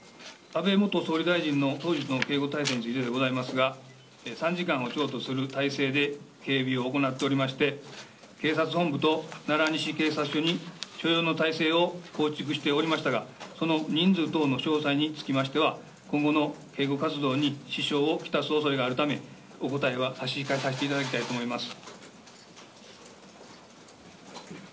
安倍元総理大臣の当時の警備態勢ですが３時間を長とする態勢で警備を行っておりまして警察本部と奈良西警察署に態勢を構築しておりましたが人数等の詳細につきましては今後の警護活動に支障をきたす恐れがあるためお答えは差し控えさせていただきたいと思います。